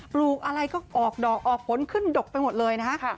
ลูกอะไรก็ออกดอกออกผลขึ้นดกไปหมดเลยนะฮะ